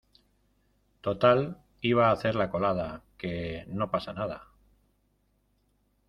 total, iba a hacer la colada. que no pasa nada .